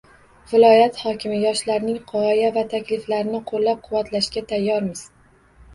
Viloyat hokimi: yoshlarning g‘oya va takliflarini qo‘llab-quvvatlashga tayyormiz